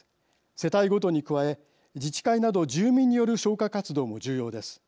世帯ごとに加え自治会など住民による消火活動も重要です。